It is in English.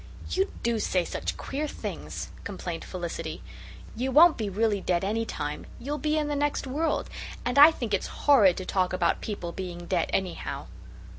"You do say such queer things," complained Felicity. "You won't be really dead any time. You'll be in the next world. And I think it's horrid to talk about people being dead anyhow."